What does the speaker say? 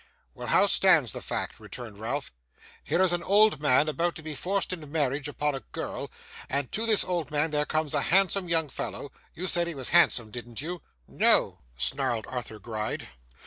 'Why, how stands the fact?' returned Ralph. 'Here is an old man about to be forced in marriage upon a girl; and to this old man there comes a handsome young fellow you said he was handsome, didn't you?' 'No!' snarled Arthur Gride.